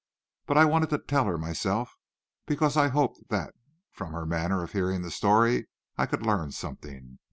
But I wanted to tell her myself, because I hoped that from her manner of hearing the story I could learn something.